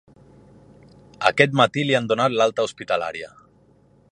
Aquest matí li han donat l’alta hospitalària.